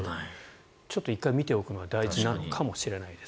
ちょっと１回見ておくのは大事かもしれないです。